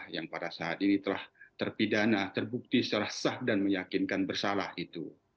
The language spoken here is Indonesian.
yang pada saat ini telah terpidana terbukti secara sah dan meyakinkan bersalah itu